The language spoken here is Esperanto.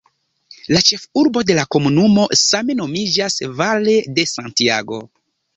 La ĉefurbo de la komunumo same nomiĝas "Valle de Santiago".